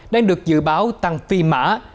đang được dự báo tăng phi mạng